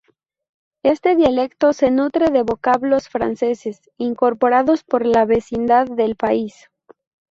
Este dialecto se nutre de vocablos franceses, incorporados por la vecindad del país.